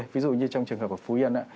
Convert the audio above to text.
ví dụ như trong trường hợp ở phú yên